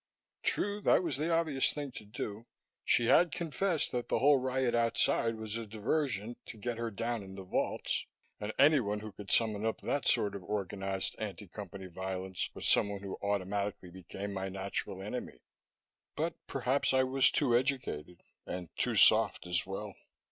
True, that was the obvious thing to do; she had confessed that the whole riot outside was a diversion to get her down in the vaults, and anyone who could summon up that sort of organized anti Company violence was someone who automatically became my natural enemy. But perhaps I was too educated and too soft as well.